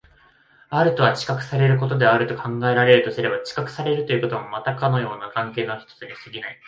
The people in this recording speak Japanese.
あるとは知覚されることであると考えられるとすれば、知覚されるということもまたかような関係の一つに過ぎない。